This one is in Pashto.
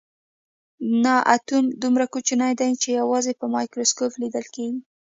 نه اتوم دومره کوچنی دی چې یوازې په مایکروسکوپ لیدل کیږي